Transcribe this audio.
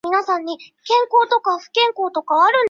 蓝图已经绘就，奋进正当时。